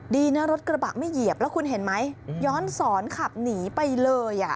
ดีนะรถกระบะไม่เหยียบแล้วคุณเห็นไหมย้อนสอนขับหนีไปเลย